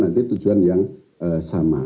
nanti tujuan yang sama